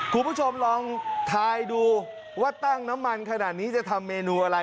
คุณผู้ชมลองทายดูว่าตั้งน้ำมันขนาดนี้จะทำเมนูอะไร